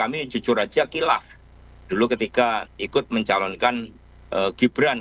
kami jujur aja kilah dulu ketika ikut mencalonkan gibran